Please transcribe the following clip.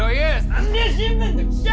三流新聞の記者！